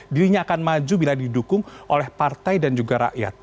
dirinya akan maju bila didukung oleh partai dan juga rakyat